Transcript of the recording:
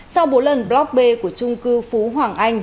sau bốn lần block b của trung cư phú hoàng anh